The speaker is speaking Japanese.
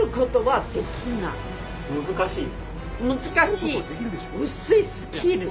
難しい？